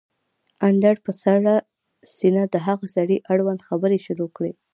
اندړ په سړه سينه د هغه سړي اړوند خبرې شروع کړې